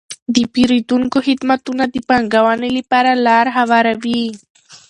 د پیرودونکو خدمتونه د پانګونې لپاره لاره هواروي.